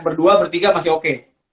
berdua bertiga masih oke